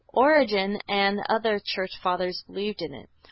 Origen and other Church Fathers believed in it.